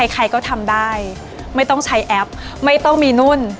ใครก็ทำได้ไม่ต้องใช้แอปไม่ต้องมีนุ่น